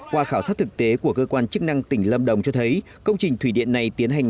qua khảo sát thực tế của cơ quan chức năng tỉnh lâm đồng cho thấy công trình thủy điện này tiến hành